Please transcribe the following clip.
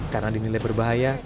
karena dinilai berbahaya